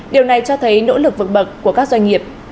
điều này cho thấy nỗ lực vượt bậc của các doanh nghiệp